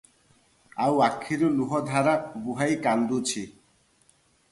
ଆଉ ଆଖିରୁ ଲୁହ ଧାରା ବୁହାଇ କାନ୍ଦୁଛି ।